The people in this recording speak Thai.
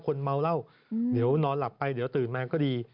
คนเมาเหล้าเดี๋ยวนอนหลับไปเดี๋ยวตื่นมาก็ดี